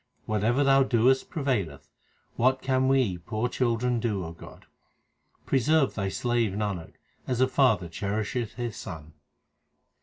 Whatever Thou doest prevaileth ; what can we poor chil dren do, O God ? Preserve Thy slave Nanak, as a father cherisheth his son.